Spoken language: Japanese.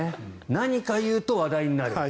何か言うと話題になる。